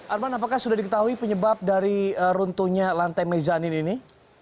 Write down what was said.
arman apakah sudah diketahui penyebab dari runtuhnya lantai mezanin ini